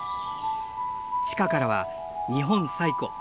地下からは日本最古